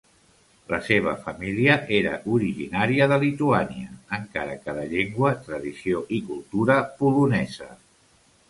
La seva família era originària de Lituània, encara que de llengua, tradició i cultura polonesa.